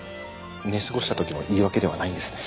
寝過ごした時の言い訳ではないんですね。